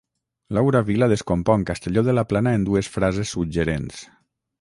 Laura Vila descompon Castelló de la Plana en dues frases suggerents.